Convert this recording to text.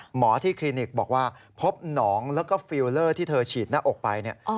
หมอที่คลินิกบอกว่าพบหนองแล้วก็ฟิลเลอร์ที่เธอฉีดหน้าอกไปเนี่ย